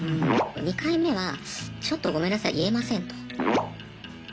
２回目はちょっとごめんなさい言えませんと。